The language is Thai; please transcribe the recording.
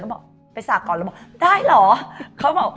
เขาบอกไปสระก่อนแล้วบอกได้เหรอ